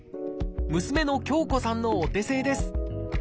娘の京子さんのお手製です。